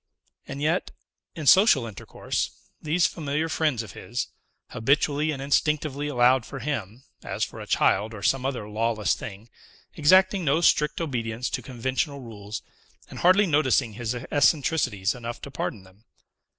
And yet, in social intercourse, these familiar friends of his habitually and instinctively allowed for him, as for a child or some other lawless thing, exacting no strict obedience to conventional rules, and hardly noticing his eccentricities enough to pardon them.